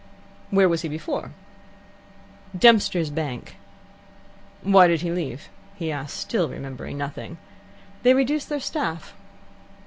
"Where was he before?" "Dempster's Bank." "Why did he leave?" he asked, still remembering nothing. "They reduced their staff."